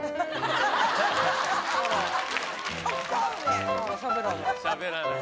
あらしゃべらない。